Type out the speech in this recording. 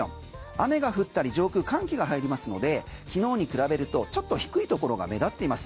雨が降ったり上空、寒気が入りますので昨日に比べるとちょっと低いところが目立っています。